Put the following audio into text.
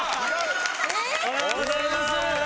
おはようございます！